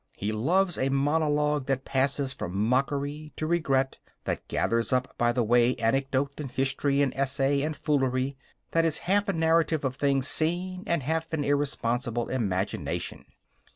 He loves a monologue that passes from mockery to regret, that gathers up by the way anecdote and history and essay and foolery, that is half a narrative of things seen and half an irresponsible imagination.